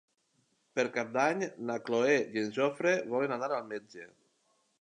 Per Cap d'Any na Cloè i en Jofre volen anar al metge.